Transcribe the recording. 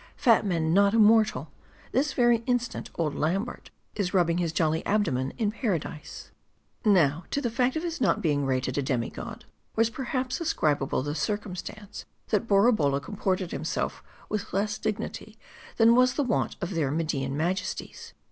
Fat men not immortal ! This very instant, old Lambert is rubbing his jolly abdomen in Paradise. Now, to the fact of his not being rated a demi god, was perhaps ascribable the circumstance, that Borabolla com ported himself with less dignity, than was the wont of their Mardian majesties.